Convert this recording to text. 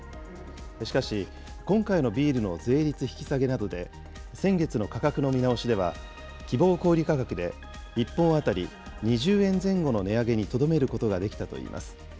しかし、今回のビールの税率引き下げなどで、先月の価格の見直しでは、希望小売り価格で１本当たり２０円前後の値上げにとどめることができたといいます。